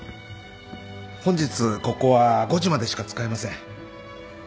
本日ここは５時までしか使えません。